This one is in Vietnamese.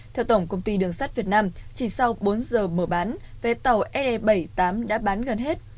theo tổng công ty đường sắt việt nam chỉ sau bốn giờ mở bán vé tàu se bảy mươi tám đã bán gần hết